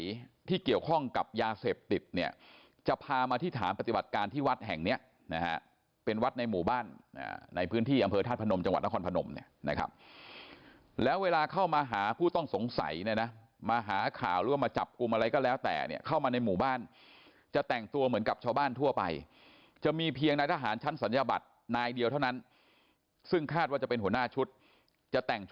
สงสัยที่เกี่ยวข้องกับยาเสพติดเนี่ยจะพามาที่ถามปฏิบัติการที่วัดแห่งเนี่ยนะฮะเป็นวัดในหมู่บ้านในพื้นที่อำเภอท่านพนมจังหวัดนครพนมเนี่ยนะครับแล้วเวลาเข้ามาหาผู้ต้องสงสัยนะนะมาหาข่าวร่วมมาจับกุมอะไรก็แล้วแต่เนี่ยเข้ามาในหมู่บ้านจะแต่งตัวเหมือนกับชาวบ้านทั่วไปจะมีเพียงนักอาหารชั้น